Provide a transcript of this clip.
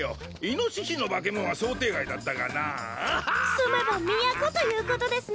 住めば都ということデスネ。